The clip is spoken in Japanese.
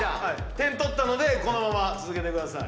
点取ったのでこのまま続けてください。